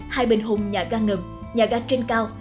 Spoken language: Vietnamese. hai bên hùng nhà ga ngầm nhà ga trên cao